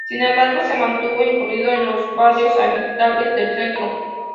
Sin embargo se mantuvo incluso en los barrios habitables del centro.